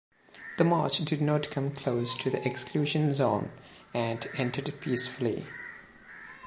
The march did not come close to the exclusion zone and ended peacefully.